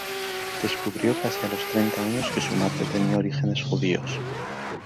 Descubrió casi a los treinta años que su madre tenía orígenes judíos.